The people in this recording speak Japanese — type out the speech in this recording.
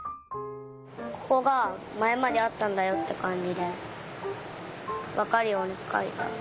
ここがまえまであったんだよってかんじでわかるようにかいた。